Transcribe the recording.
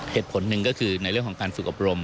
เหตุผลหนึ่งก็คือในเรื่องของการฝึกอบรม